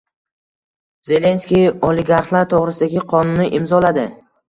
Zelenskiy oligarxlar to‘g‘risidagi qonunni imzoladi